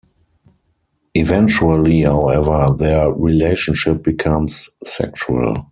Eventually, however, their relationship becomes sexual.